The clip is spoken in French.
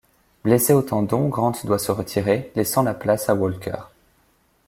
Blessé au tendon, Grant doit se retirer, laissant la place à Walker.